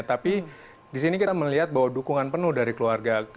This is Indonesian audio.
tapi disini kita melihat bahwa dukungan penuh dari keluarga